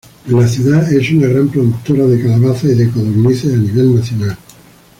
La ciudad es una gran productora de calabaza y de codornices a nivel nacional.